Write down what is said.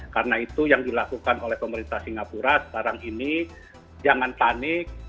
karena itu yang dilakukan oleh pemerintah singapura sekarang ini jangan panik